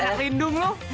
udah kena lindung lu